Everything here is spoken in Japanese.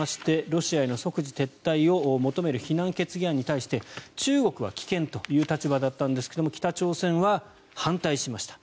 ロシアの即時撤退を求める非難決議案に対して中国は棄権という立場だったんですが北朝鮮は反対しました。